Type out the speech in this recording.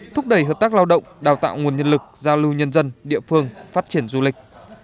thúc đẩy hợp tác lao động đào tạo nguồn nhân lực giao lưu nhân dân địa phương phát triển du lịch